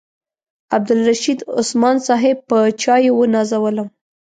عبدالرشید عثمان صاحب په چایو ونازولم.